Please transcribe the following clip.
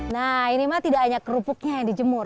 nah ini mah tidak hanya kerupuknya yang dijemur